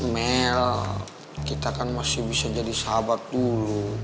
mel kita kan masih bisa jadi sahabat dulu